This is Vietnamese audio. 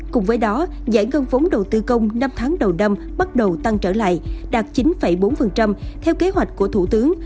cùng với đó giải ngân vốn đầu tư công năm tháng đầu năm bắt đầu tăng trở lại đạt chín bốn theo kế hoạch của thủ tướng